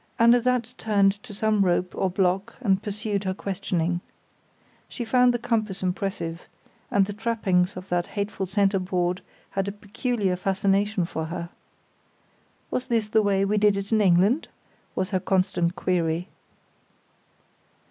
And at that turned to some rope or block and pursued her questioning. She found the compass impressive, and the trappings of that hateful centreboard had a peculiar fascination for her. Was this the way we did it in England? was her constant query.